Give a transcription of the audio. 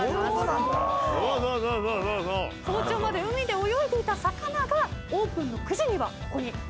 早朝まで海で泳いでいた魚がオープンの９時にはここに。